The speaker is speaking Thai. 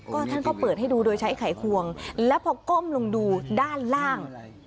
ก็ท่านก็เปิดให้ดูโดยใช้ไขควงแล้วพอก้มลงดูด้านล่าง